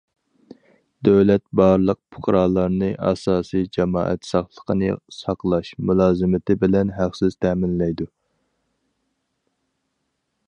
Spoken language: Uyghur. دۆلەت بارلىق پۇقرالارنى ئاساسىي جامائەت ساقلىقنى ساقلاش مۇلازىمىتى بىلەن ھەقسىز تەمىنلەيدۇ.